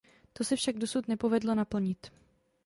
To se však dosud nepovedlo naplnit.